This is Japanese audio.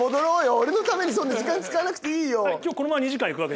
俺のためにそんな時間使わなくていいよ。